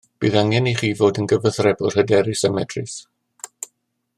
Bydd angen i chi fod yn gyfathrebwr hyderus a medrus